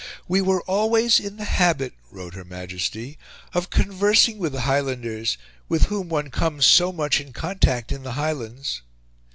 "We were always in the habit," wrote Her Majesty, "of conversing with the Highlanders with whom one comes so much in contact in the Highlands."